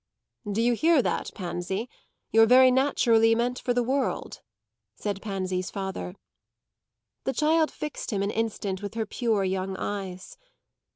"Do you hear that, Pansy? You're very naturally meant for the world," said Pansy's father. The child fixed him an instant with her pure young eyes.